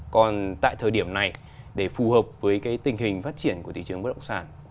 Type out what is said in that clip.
còn tại thời điểm này để phù hợp với tình hình phát triển của thị trường bất động sản